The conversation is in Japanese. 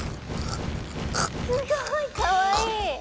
すごいかわいい！